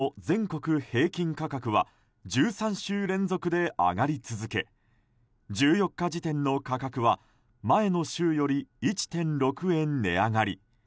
レギュラーガソリンの全国平均価格は１３週連続で上がり続け１４日時点の価格は前の週より１．６円値上がり。